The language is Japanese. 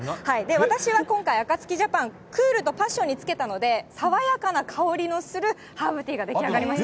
私は今回、あかつきジャパン、クールとパッションにつけたので、爽やかな香りのするハーブティーが出来上がりました。